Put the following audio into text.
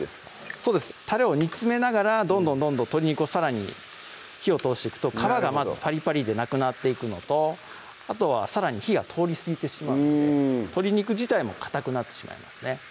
そうですねタレを煮詰めながらどんどんどんどん鶏肉をさらに火を通していくと皮がまずパリパリでなくなっていくのとあとはさらに火が通りすぎてしまうので鶏肉自体もかたくなってしまいますね